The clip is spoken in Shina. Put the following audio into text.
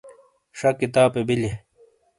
شہ کتاپے بیلئے۔